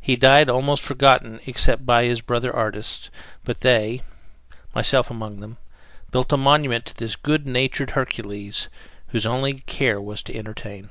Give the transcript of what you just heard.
He died almost forgotten except by his brother artists, but they (myself among them) built a monument to this good natured Hercules, whose only care was to entertain.